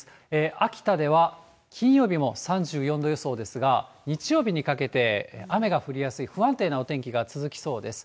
秋田では、金曜日も３４度予想ですが、日曜日にかけて雨が降りやすい不安定なお天気が続きそうです。